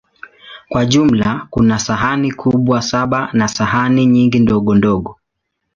Kwa jumla, kuna sahani kubwa saba na sahani nyingi ndogondogo.